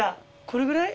これぐらい？